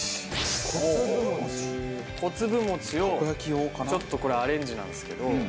こつぶもちをちょっとこれアレンジなんですけど。